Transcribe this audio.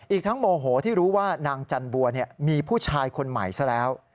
ทั้งโมโหที่รู้ว่านางจันบัวมีผู้ชายคนใหม่ซะแล้ว